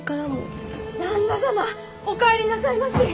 ・・旦那様お帰りなさいまし！